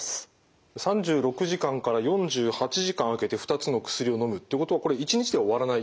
３６時間から４８時間あけて２つの薬をのむってことはこれ１日で終わらない？